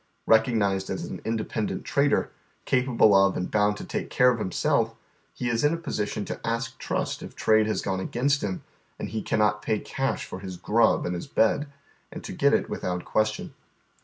Recognized as an in dependent trader, capable of and bound to take care of himself, he is in a position to ask trust if trade has gone against him and he cannot pay cash for his " grnb " and his bed, and to get it without question.